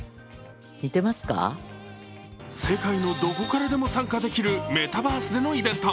世界のどこからでも参加できるメタバースでのイベント